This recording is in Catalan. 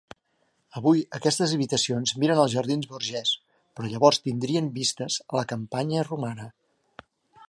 Avui aquestes habitacions miren als jardins Borghese però llavors tindrien vistes a la campanya romana.